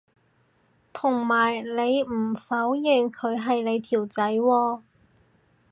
同埋你唔否認佢係你條仔喎